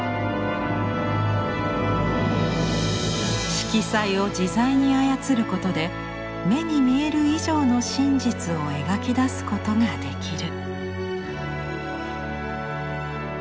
色彩を自在に操ることで目に見える以上の真実を描き出すことができる。